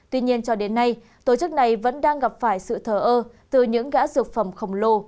tuy nhiên cho đến nay tổ chức này vẫn đang gặp phải sự thờ ơ từ những gã dược phẩm khổng lồ